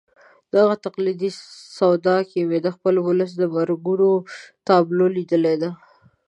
دغه تقلیدي سودا کې مې د خپل ولس د مرګونو تابلو لیدلې ده.